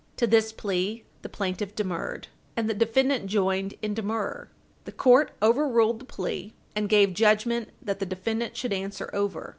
To this plea the plaintiff demurred, and the defendant joined in demurrer. The court overruled the plea, and gave judgment that the defendant should answer over.